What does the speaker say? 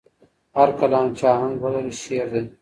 هر کلام چې آهنګ ولري، شعر دی.